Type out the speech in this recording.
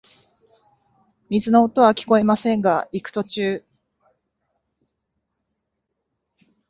水の音はきこえませんが、行く途中、